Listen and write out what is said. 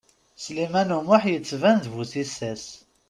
Sliman U Muḥ yettban d bu tissas.